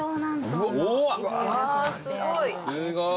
すごい。